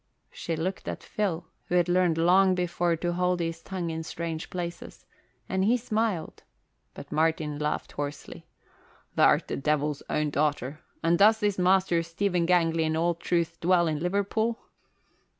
She looked at Phil, who had learned long before to hold his tongue in strange places, and he smiled; but Martin laughed hoarsely. "Th' art the Devil's own daughter. And does this Master Stephen Gangley in all truth dwell in Liverpool?"